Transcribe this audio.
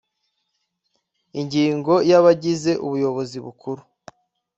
ingingo ya abagize ubuyobozi bukuru